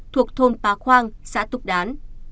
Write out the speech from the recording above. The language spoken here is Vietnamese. thuộc thôn pá khoang xã túc đán